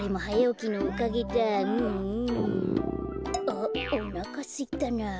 あっおなかすいたなあ。